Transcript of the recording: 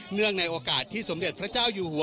ในโอกาสที่สมเด็จพระเจ้าอยู่หัว